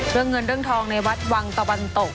เรื่องเงินเรื่องทองในวัดวังตะวันตก